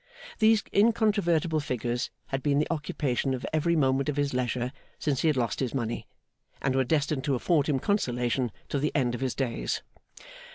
These incontrovertible figures had been the occupation of every moment of his leisure since he had lost his money, and were destined to afford him consolation to the end of his days.